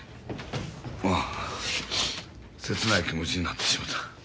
あ切ない気持ちになってしもた。